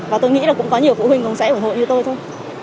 và tôi nghĩ là cũng có nhiều phụ huynh cũng sẽ ủng hộ như tôi thôi